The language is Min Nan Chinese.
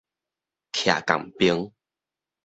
徛仝爿